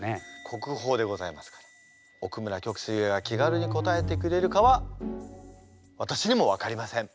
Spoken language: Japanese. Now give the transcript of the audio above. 国宝でございますから奥村旭翠が気軽に答えてくれるかは私にも分かりません。